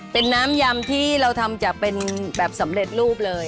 เป็นน้ำยำที่เราทำจากเป็นแบบสำเร็จรูปเลย